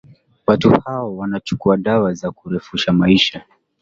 watu hao wanachukua dawa za kurefusha maisha